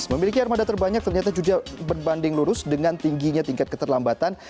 memiliki armada terbanyak ternyata juga berbanding lurus dengan tingginya tingkat keterlambatan